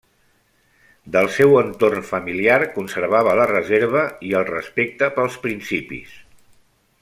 Del seu entorn familiar, conservava la reserva i el respecte pels principis.